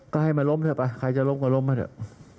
ก็ให้มันล้มเถอะไปใครจะล้มก็ล้มมาเถอะ